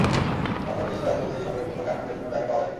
তারপরও চেষ্টা চলছে সদরের কোথাও টার্মিনালের জন্য জায়গা পাওয়া যায় কিনা।